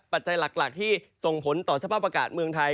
ปัจจัยหลักที่ส่งผลต่อสภาพอากาศเมืองไทย